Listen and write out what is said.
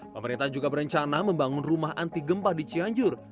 pemerintah juga berencana membangun rumah anti gempa di cianjur